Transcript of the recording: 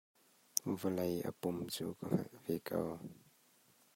Vawlei a pum cu ka theih ve ko.